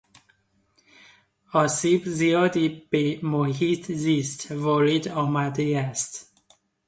آسیب زیادی به محیط زیست وارد آمده است.